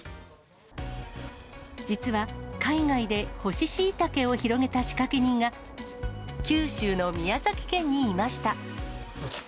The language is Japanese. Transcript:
実は、海外で干ししいたけを広げた仕掛け人が、九州の宮崎県にいました。